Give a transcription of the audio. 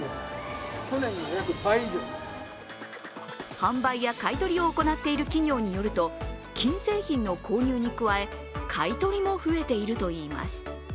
販売や買い取りを行っている企業によると、金製品の購入に加え、買い取りも増えているといいます。